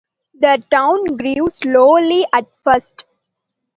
The town grew slowly at first.